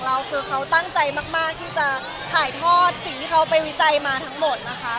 ดรเพจดรเค้าตั้งใจมากใส่จะถ่ายทอดสิ่งที่วิจัยมา